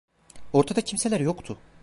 Ortada kimseler yoktu.